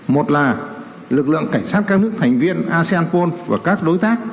một là lực lượng cảnh sát các nước thành viên asean pah và các đối tác